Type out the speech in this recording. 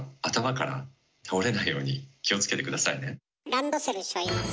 ランドセルしょいます。